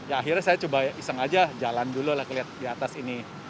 ya akhirnya saya coba iseng aja jalan dulu lah kelihatan di atas ini